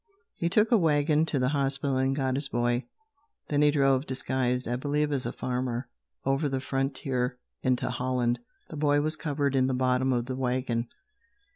He took a wagon to the hospital and got his boy. Then he drove, disguised I believe as a farmer, over the frontier into Holland. The boy was covered in the bottom of the wagon.